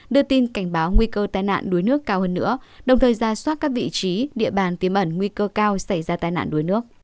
đưa tin cảnh báo nguy cơ tai nạn đuối nước cao hơn nữa đồng thời ra soát các vị trí địa bàn tiêm ẩn nguy cơ cao xảy ra tai nạn đuối nước